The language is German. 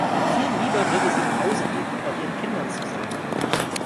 Viel lieber würde sie nach Hause gehen, um bei ihren Kindern zu sein.